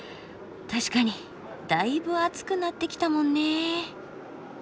確かにだいぶ暑くなってきたもんね。